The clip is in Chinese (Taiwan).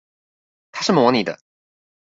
他是模擬的